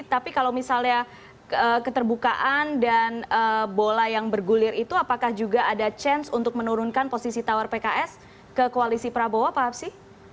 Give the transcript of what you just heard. tapi kalau misalnya keterbukaan dan bola yang bergulir itu apakah juga ada chance untuk menurunkan posisi tawar pks ke koalisi prabowo pak hapsi